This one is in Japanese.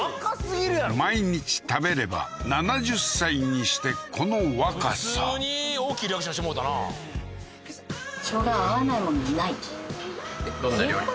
毎日食べれば７０歳にしてこの若さ普通に大きいリアクションしてもうたなどんな料理も？